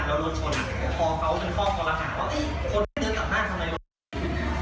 เพราะเขาเป็นข้อประหลาดว่าเอ๊ะคนไม่ได้เดินกลับหน้าทำไมก็ไม่ได้